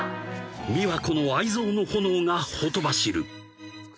［美琶子の愛憎の炎がほとばしる］